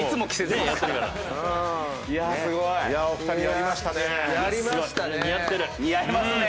お二人やりましたね。